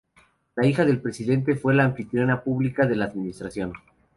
La hija del presidente fue la anfitriona pública de la administración.